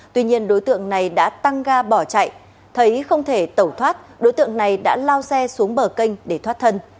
tuy nhiên đối tượng này đã tăng ga bỏ chạy thấy không thể tẩu thoát đối tượng này đã lao xe xuống bờ kênh để thoát thân